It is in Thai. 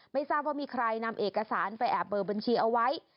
ไม่ทราบว่ามีใครนำเอกสารไปแอบเบอร์บัญชีเอาไว้